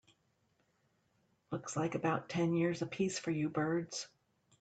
Looks like about ten years a piece for you birds.